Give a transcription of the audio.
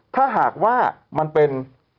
ถ้าหากว่ามันเป็น